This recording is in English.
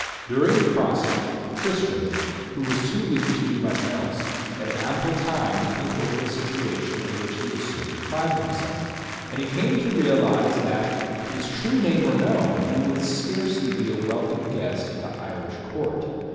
Dur ing the crossing, Tristram, who was too weak to do much else, had ample time to think over the situation in which he was soon to find himself; and he came to realize that, if his true name were known, he would scarcely be a welcome guest at the Irish court.